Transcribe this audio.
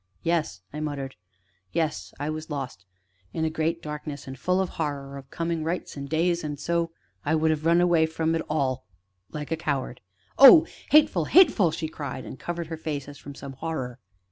"Yes," I muttered; "yes, I was lost in a great darkness, and full of a horror of coming nights and days, and so I would have run away from it all like a coward " "Oh, hateful hateful!" she cried, and covered her face as from some horror.